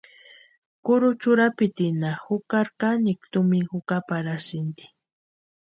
Kurucha urapitinha jukari kanikwa tumina jukaparhasti.